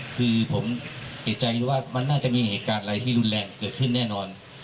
คือผมเอกใจว่ามันน่าจะมีเหตุการณ์อะไรที่รุนแรงเกิดขึ้นแน่นอน